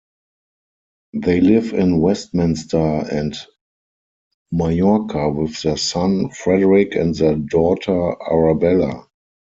They live in Westminster and Mallorca with their son, Frederick and their daughter, Arabella.